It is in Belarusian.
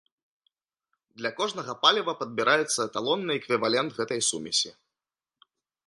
Для кожнага паліва падбіраецца эталонны эквівалент гэтай сумесі.